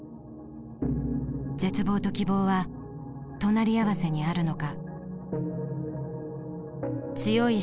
絶望と希望は隣り合わせにあるのか。